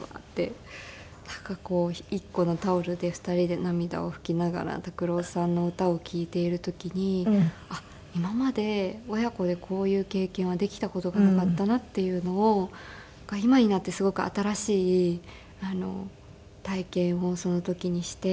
なんかこう１個のタオルで２人で涙を拭きながら拓郎さんの歌を聴いている時に今まで親子でこういう経験はできた事がなかったなっていうのを今になってすごく新しい体験をその時にして。